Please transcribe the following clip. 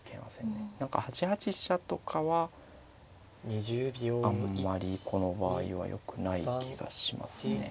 何か８八飛車とかはあんまりこの場合はよくない気がしますね。